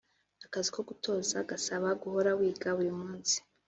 Akazi ko gutoza gasaba guhora wiga buri munsi